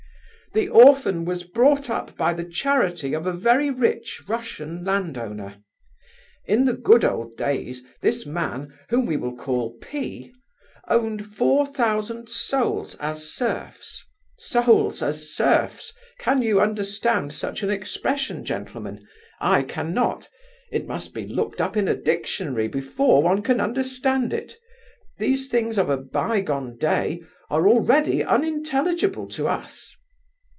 The orphan was brought up by the charity of a very rich Russian landowner. In the good old days, this man, whom we will call P——, owned four thousand souls as serfs (souls as serfs!—can you understand such an expression, gentlemen? I cannot; it must be looked up in a dictionary before one can understand it; these things of a bygone day are already unintelligible to us).